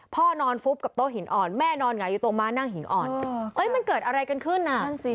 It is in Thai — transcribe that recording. พ่อนอนฟุบกับโต๊ะหินอ่อนแม่นอนหงายอยู่ตรงม้านั่งหินอ่อนมันเกิดอะไรกันขึ้นอ่ะนั่นสิ